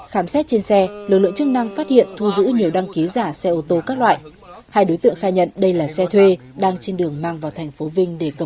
khám xét trên xe lực lượng chức năng phát hiện thu giữ nhiều đăng ký giả xe ô tô các loại hai đối tượng khai nhận đây là xe thuê đang trên đường mang vào thành phố vinh để cầm